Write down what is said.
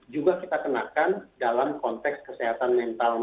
juga kita kenakan dalam konteks kesehatan mental